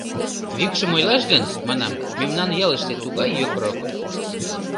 — Викшым ойлаш гын, — манам, — мемнан ялыште тугай йокрок.